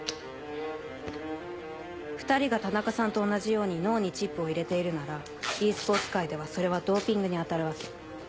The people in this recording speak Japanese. ２人が田中さんと同じように脳にチップを入れているならｅスポーツ界ではそれはドーピングに当たるわけ。